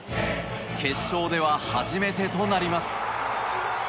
決勝では初めてとなります。